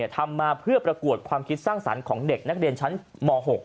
ทำมาเพื่อประกวดความคิดสร้างสรรค์ของเด็กนักเรียนชั้นม๖